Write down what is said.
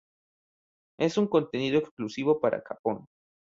Es un contenido exclusivo para Japón.